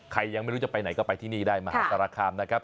ยังไม่รู้จะไปไหนก็ไปที่นี่ได้มหาสารคามนะครับ